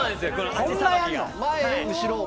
足さばきが。